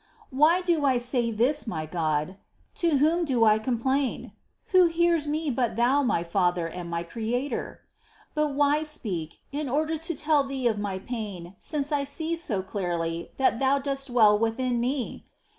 2. Why do I say this, my God ? To whom do I com plain ? Who hears me, but Thou, my Father and my Creator ? But why speak, in order to tell Thee of my pain, since I see so clearly that Thou dost dwell within me